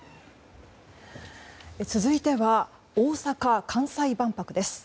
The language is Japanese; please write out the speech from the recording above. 続いては大阪・関西万博です。